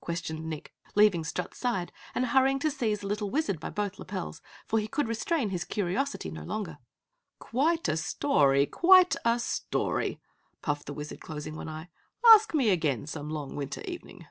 questioned Nick, leaving Strut's side and hurrying to seize the little Wizard by both lapels, for he could restrain his curiosity no longer. "Quite a story quite a story," puffed the Wizard, closing one eye, "Ask me again some long winter evening."